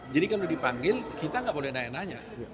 jadi kalau dipanggil kita tidak boleh nanya nanya